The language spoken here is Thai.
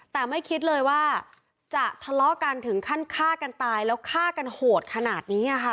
แต่ไม่คิดเลยว่าจะทะเลาะกันถึงขั้นฆ่ากันตายแล้วฆ่ากันโหดขนาดนี้ค่ะ